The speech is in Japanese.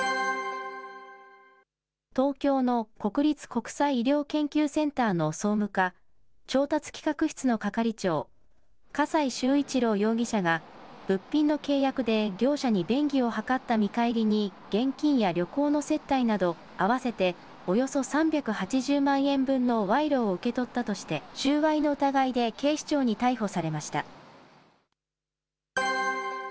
東京の国立国際医療研究センターの総務課調達企画室の係長、笠井崇一郎容疑者が物品の契約で業者に便宜を図った見返りに現金や旅行の接待など、合わせておよそ３８０万円分の賄賂を受け取ったとして、収賄の疑いで警視庁に逮捕されました。